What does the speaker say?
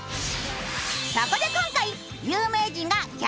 そこで今回。